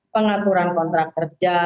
pengaturan kontrak kerja